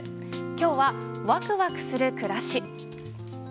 今日は、ワクワクする暮らし。